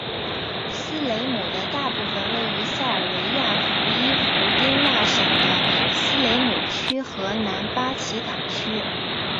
斯雷姆的大部分位于塞尔维亚伏伊伏丁那省的斯雷姆区和南巴奇卡区。